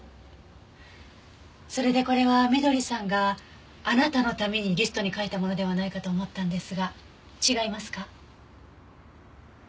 それでこれは翠さんがあなたのためにリストに書いたものではないかと思ったんですが違いますか？